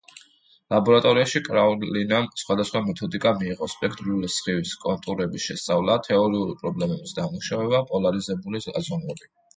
ლაბორატორიაში კრაულინამ სხვადასხვა მეთოდიკა მიიღო: სპექტრული სხივის კონტურების შესწავლა, თეორიული პრობლემების დამუშავება, პოლარიზებული გაზომვები.